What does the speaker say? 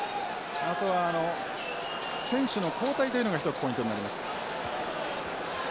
あとは選手の交代というのが一つポイントになります。